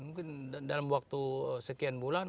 mungkin dalam waktu sekian bulan